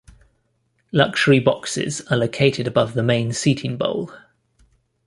Luxury boxes are located above the main seating bowl.